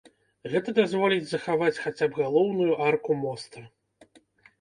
Гэта дазволіць захаваць хаця б галоўную арку моста.